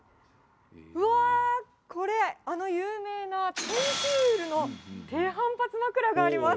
うわー、これ、あの有名なテンピュールの低反発枕があります。